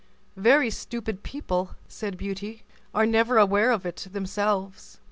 "Very stupid people," said Beauty, "are never aware of it themselves."